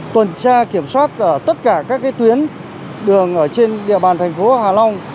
tuần tra kiểm soát tất cả các tuyến đường trên địa bàn tp hà long